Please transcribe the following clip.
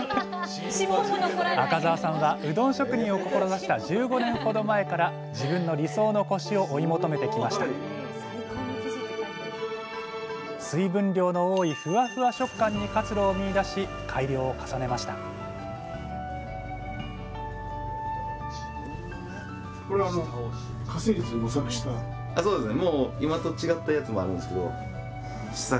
赤澤さんはうどん職人を志した１５年ほど前から自分の理想のコシを追い求めてきました水分量の多いフワフワ食感に活路を見いだし改良を重ねましたあそうですね。